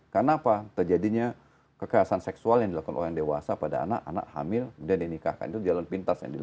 karena apa terjadinya kekerasan seksual yang dilakukan oleh orang dewasa pada anak anak hamil kemudian dinikahkan itu jalan pintas yang dilakukan